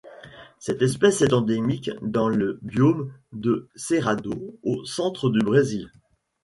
Cette espèce est endémique dans le biome du Cerrado au centre du Brésil.